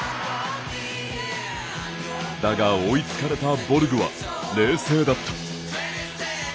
だが、追いつかれたボルグは冷静だった。